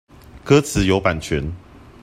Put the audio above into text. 歌詞有版權